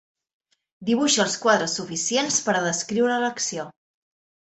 Dibuixa els quadres suficients per a descriure l'acció.